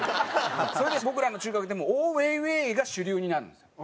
それで僕らの中学でもオーウェイウェイが主流になるんですよ。